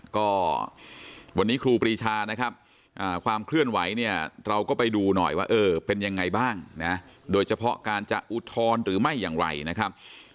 ก็วันนี้ครูปรีชานะครับความเคลื่อนไหวเนี่ยเราก็ไปดูหน่อยว่าเออเป็นยังไงบ้างนะโดยเฉพาะการจะอุทธรณ์หรือไม่อย่างไรนะครับ